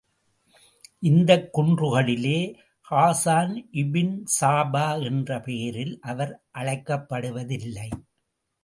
இந்தக் குன்றுகளிலே, ஹாசான் இபின் சாபா என்ற பெயரில் அவர் அழைக்கப்படுவதில்லை.